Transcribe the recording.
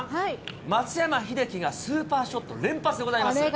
松山英樹がスーパーショット連発でございます。